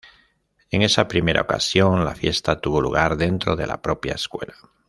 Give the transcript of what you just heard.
En esa primera ocasión, la fiesta tuvo lugar dentro de la propia Escuela.